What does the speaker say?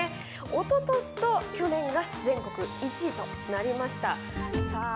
おととしと去年が全国１位となりました。